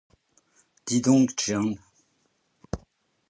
Dis donc, Jehan!